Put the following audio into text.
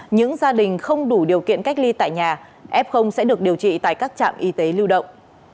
những gia đình không đủ điều kiện cách ly tại nhà f sẽ được điều trị tại các trạm y tế lưu động